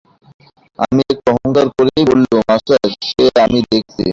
আমি একটু অহংকার করেই বললুম, আচ্ছা, সে আমি দেখছি।